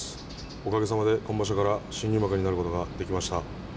おかげさまで、今場所から新入幕になることができました。